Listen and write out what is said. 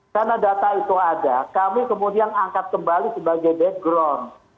karena data itu ada kami kemudian angkat kembali sebagai background